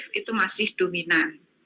maka masih dominan